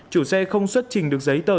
chủ xe không xuất trình được giấy tờ